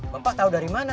bapak tau dari mana